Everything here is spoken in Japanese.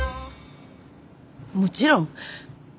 もちろん。